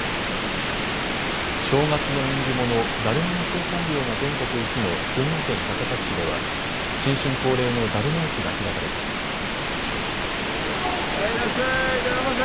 正月の縁起物、だるまの生産量が全国一の群馬県高崎市では新春恒例のだるま市が開かれています。